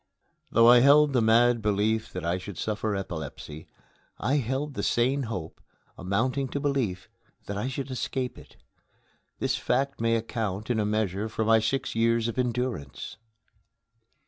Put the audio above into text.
Though I held the mad belief that I should suffer epilepsy, I held the sane hope, amounting to belief, that I should escape it. This fact may account, in a measure, for my six years of endurance.